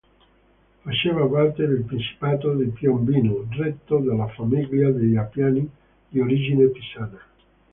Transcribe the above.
Faceva parte del Principato di Piombino, retto dalla famiglia degli Appiani, di origine pisana.